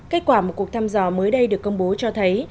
kết quả một cuộc thăm dò mới đây được công bố cho thấy